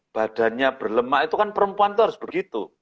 badannya berlemak itu kan perempuan itu harus begitu